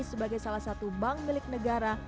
sebagai salah satu bank milik negara